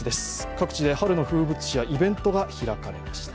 各地で春の風物詩やイベントが開かれました。